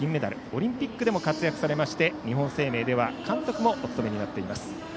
オリンピックでも活躍され日本生命では監督もお務めになっています。